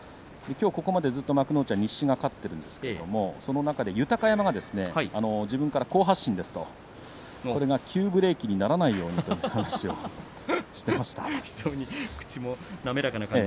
ここまで西が勝っているんですが豊山が自分から好発進ですとこれが急ブレーキにならないようにという話をしていました。